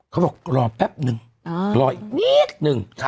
เขาบอกรอแป๊บนึงรออีกนิดนึง